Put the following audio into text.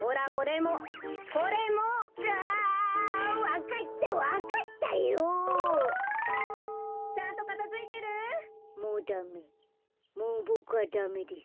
もうボクはダメです。